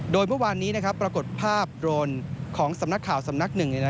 โดยเมื่อวานนี้ปรากฏภาพโดรนของสำนักข่าวสำนักหนึ่ง